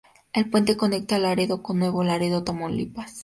El puente conecta a Laredo con Nuevo Laredo, Tamaulipas.